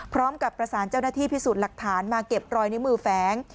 พร้อมกับประสานเจ้าหน้าที่พิสูจน์หลักฐานมาเก็บรอยนิ้วมือแฝง